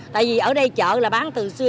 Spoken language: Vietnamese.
tại vì ở đây chợ là bán từ xưa